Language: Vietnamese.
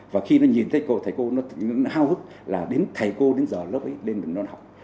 và khi nó nhìn thấy cô thầy cô nó hào hức là đến thầy cô đến giờ lớp ấy đến mình nó học